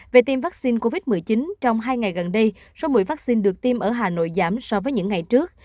về tiêm vaccine covid một mươi chín trong hai ngày gần đây số mũi vaccine được tiêm ở hà nội giảm so với những ngày trước